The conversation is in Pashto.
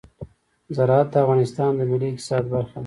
زراعت د افغانستان د ملي اقتصاد برخه ده.